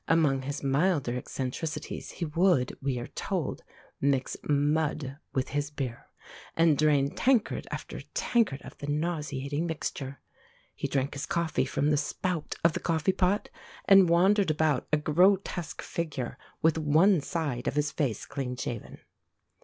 Among his milder eccentricities he would, we are told, mix mud with his beer, and drain tankard after tankard of the nauseating mixture. He drank his coffee from the spout of the coffee pot, and wandered about, a grotesque figure, with one side of his face clean shaven.